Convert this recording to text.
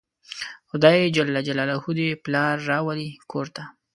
خدای ج دې پلار راولي کور ته